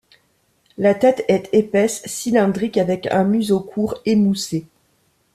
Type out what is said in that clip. La tête est épaisse, cylindrique, avec un museau court, émoussé.